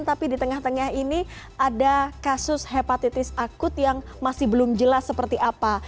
tapi di tengah tengah ini ada kasus hepatitis akut yang masih belum jelas seperti apa